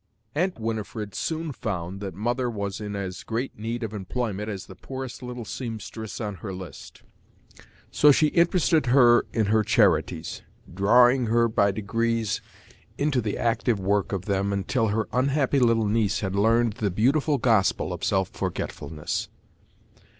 "Aunt Winifred soon found that mother was in as great need of employment as the poorest little seamstress on her list. So she interested her in her charities, drawing her by degrees into the active work of them until her unhappy little niece had learned the beautiful gospel of self forgetfulness.